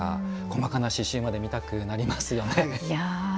細かな刺しゅうまで見たくなりますね。